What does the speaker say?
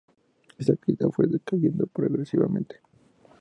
Esta actividad fue decayendo progresivamente.